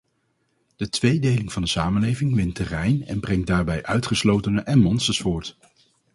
De tweedeling van de samenleving wint terrein en brengt daarbij uitgeslotenen en monsters voort.